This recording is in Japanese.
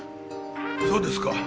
そうですか。